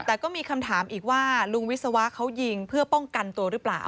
แต่ก็มีคำถามอีกว่าลุงวิศวะเขายิงเพื่อป้องกันตัวหรือเปล่า